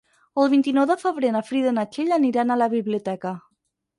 El vint-i-nou de febrer na Frida i na Txell aniran a la biblioteca.